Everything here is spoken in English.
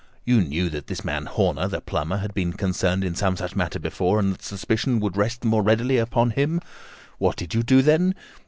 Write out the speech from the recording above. You knew that this man Horner, the plumber, had been concerned in some such matter before, and that suspicion would rest the more readily upon him. What did you do, then?